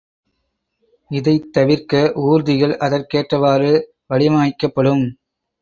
இதைத் தவிர்க்க ஊர்திகள் அதற்கேற்றவாறு வடிவமைக்கப்படும்.